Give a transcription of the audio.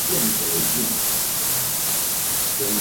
双南肥蛛为园蛛科肥蛛属的动物。